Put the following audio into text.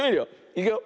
いくよ。